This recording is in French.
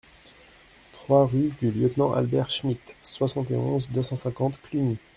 trois rue du Lieutenant Albert Schmitt, soixante et onze, deux cent cinquante, Cluny